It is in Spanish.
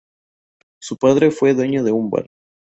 Su padre fue dueño de un bar.